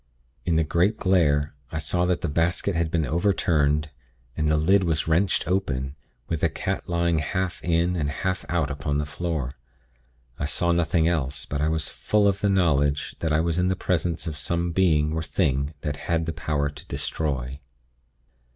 In the great glare, I saw that the basket had been overturned, and the lid was wrenched open, with the cat lying half in, and half out upon the floor. I saw nothing else, but I was full of the knowledge that I was in the presence of some Being or Thing that had power to destroy.